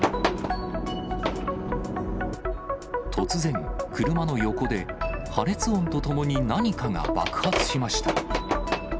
突然、車の横で破裂音とともに何かが爆発しました。